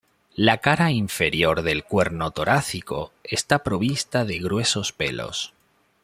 La cara inferior del cuerno torácico está provista de gruesos pelos.